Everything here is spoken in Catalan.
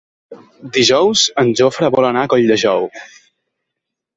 Dijous en Jofre vol anar a Colldejou.